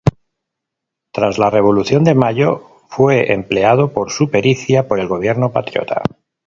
Tras la Revolución de Mayo fue empleado por su pericia por el gobierno patriota.